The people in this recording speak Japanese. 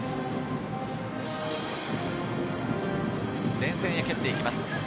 前線へ蹴っていきます。